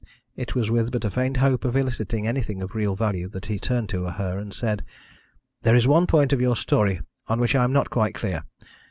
It was with but a faint hope of eliciting anything of real value that he turned to her and said: "There is one point of your story on which I am not quite clear.